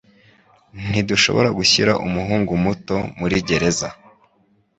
Ntidushobora gushyira umuhungu muto muri gereza.